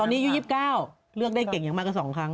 ตอนนี้ยู๒๙เริ่มได้เก่งยังมากกว่า๒ครั้ง